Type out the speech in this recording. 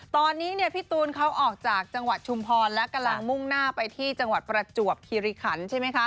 ตอนนี้พี่ตูนเขาออกจากจังหวัดชุมพรและกำลังมุ่งหน้าไปที่จังหวัดประจวบคิริขันใช่ไหมคะ